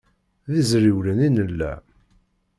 D iẓrilwen i nella.